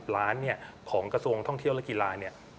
๙๖๕๐ล้านบาทของกระทรวงท่องเที่ยวและกีฬา